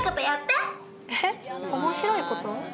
面白いこと？